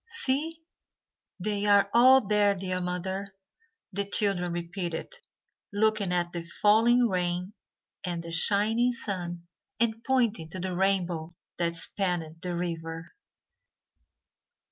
"See, they are all there, dear mother," the children repeated, looking at the falling rain and the shining sun, and pointing to the rainbow that spanned the river.